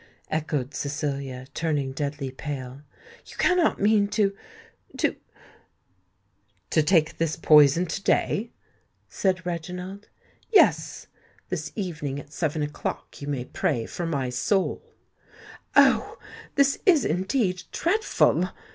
echoed Cecilia, turning deadly pale. "You cannot mean to——to——" "To take this poison to day?" said Reginald. "Yes—this evening at seven o'clock you may pray for my soul!" "Oh! this is, indeed, dreadful!"